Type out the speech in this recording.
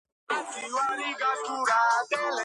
თავდაპირველად დედათა მონასტერი იყო.